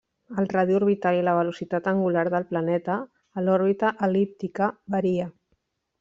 El radi orbital i la velocitat angular del planeta a l'òrbita el·líptica varia.